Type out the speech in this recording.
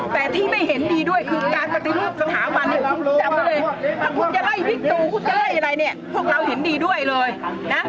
แต่ที่ไม่เห็นดีด้วยคือการปฏิรูปสถาบันถ้าผมจะไล่พิกตูพวกเราเห็นดีด้วยเลยนะ